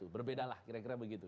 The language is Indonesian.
berbeda lah kira kira begitu